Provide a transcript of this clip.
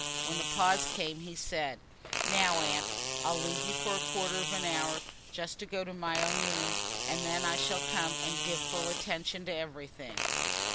When a pause came, he said: "Now, Aunt, I'll leave you for a quarter of an hour just to go to my own room, and then I shall come and give full attention to everything."